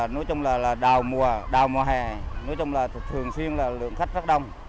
nói chung là đào mùa đào mùa hè nói chung là thường xuyên là lượng khách rất đông